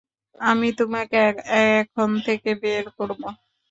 আমি তোমাকে এখন থেকে বের করব।